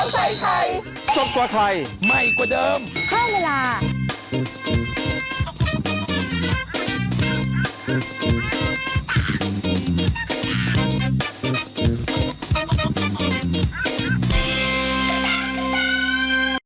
สวัสดีค่ะ